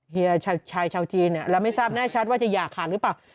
เฮียชายชาวจีนเราไม่ทราบแน่ชัดว่าจะหย่าขาดหรือเปล่า